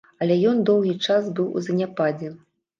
Але ён доўгі час быў у заняпадзе.